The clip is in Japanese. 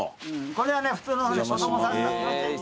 これは普通の子供さんの。